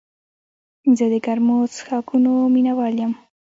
زه د ګرمو څښاکونو مینه وال یم.